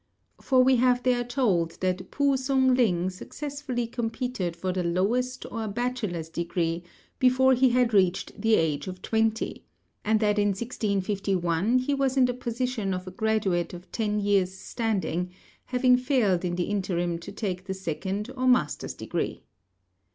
For we are there told that P'u Sung ling successfully competed for the lowest or bachelor's degree before he had reached the age of twenty; and that in 1651 he was in the position of a graduate of ten years' standing, having failed in the interim to take the second, or master's, degree.